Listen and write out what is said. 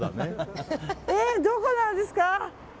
どこなんですか。